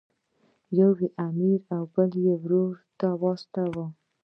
یو یې امیر او بل یې ورور ته واستاوه.